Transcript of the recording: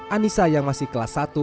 anissa yang masih kelas satu